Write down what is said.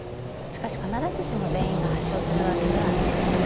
しかし必ずしも全員が発症するわけではありません。